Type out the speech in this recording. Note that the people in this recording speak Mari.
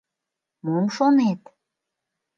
Мом шонет?..